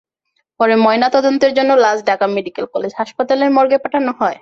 পরে ময়নাতদন্তের জন্য লাশ ঢাকা মেডিকেল কলেজ হাসপাতালের মর্গে পাঠানো হয়।